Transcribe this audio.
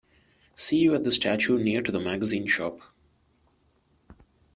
See you at the statue near to the magazine shop.